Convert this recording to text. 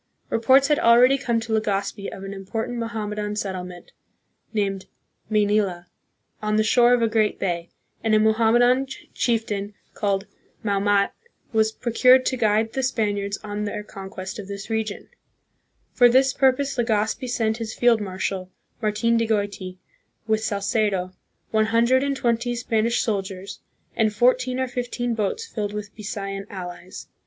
Reports had already come to Legazpi of an important Mohammedan settlement named " May nila/' on the shore of a great bay, and a Mohammedan chieftain, called Maomat, was procured to guide the Spaniards on their conquest of this region. 1 For this pur straits of Manila. (From an old Dutch chart. See page 193.) pose Legazpi sent his field marshal, Martin de Goiti, with Salcedo, one hundred and twenty Spanish soldiers, and fourteen or fifteen boats filled with Bisayan allies.